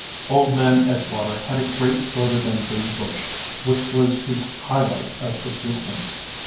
Old Man Edgewater had a great rhododendron bush which was his high light of existence.